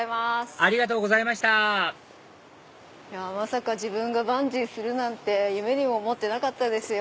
ありがとうございましたまさか自分がバンジーするなんて夢にも思ってなかったですよ。